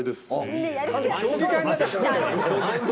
そうですね